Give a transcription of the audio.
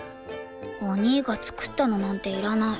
お兄が作ったのなんていらない。